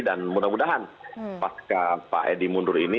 dan mudah mudahan pas pak edi mundur ini